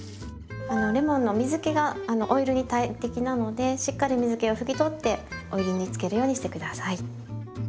レモンの水けがオイルに大敵なのでしっかり水気をふき取ってオイルに漬けるようにして下さい。